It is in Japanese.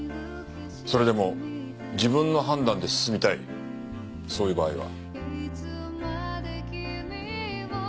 それでも自分の判断で進みたいそういう場合は？